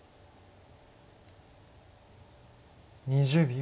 ２０秒。